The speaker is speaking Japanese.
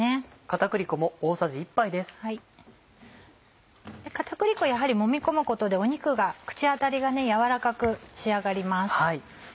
片栗粉やはりもみ込むことで肉が口当たりが柔らかく仕上がります。